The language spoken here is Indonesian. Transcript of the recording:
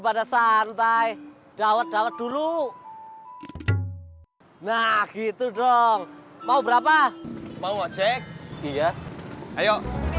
pada santai dawet dawet dulu nah gitu dong mau berapa mau cek iya ayo